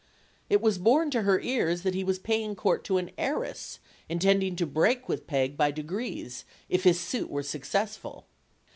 It was borne to her ears that he was paying court to an heiress ; intending to break with Peg, by degrees, if his suit were successful.